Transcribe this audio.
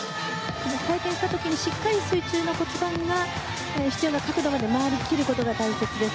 回転した時にしっかり水中の骨盤が必要な角度まで回りきることが大切です。